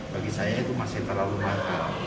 bagi saya itu masih terlalu mahal